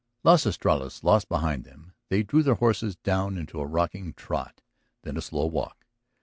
Las Estrellas lost behind them, they drew their horses down into a rocking trot, then to a slow walk.